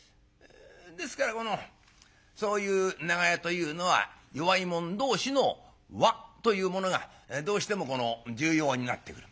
ですからこのそういう長屋というのは弱い者同士の輪というものがどうしても重要になってくる。